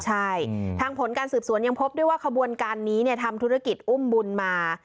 ใช่ทางผลการสืบสวนยังพบด้วยว่าขบวนการนี้ทำธุรกิจอุ้มบุญมา